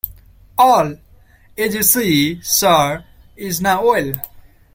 All, as you see, sir, is now well.